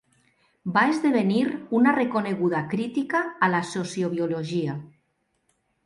Va esdevenir una reconeguda crítica a la sociobiologia.